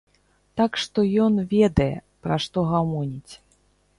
Так што ён ведае, пра што гамоніць.